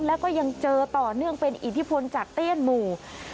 แล้วก็ยังเจอต่อเนื่องเป็นอิทธิพลจากเตี้ยนหมู่